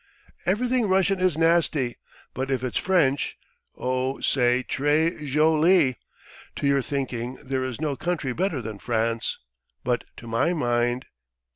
"Everything Russian is nasty, but if it's French o say tray zholee! To your thinking there is no country better than France, but to my mind.